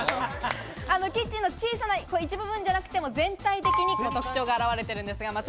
キッチンの小さな一部ではなくて全体に特徴が表れてるんですけど。